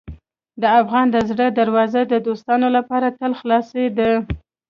د افغان د زړه دروازې د دوستانو لپاره تل خلاصې دي.